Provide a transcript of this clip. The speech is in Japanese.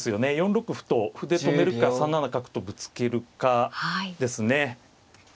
４六歩と歩で止めるか３七角とぶつけるかですね。